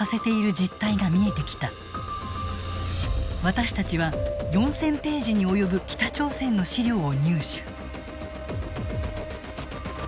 私たちは４，０００ページに及ぶ北朝鮮の資料を入手。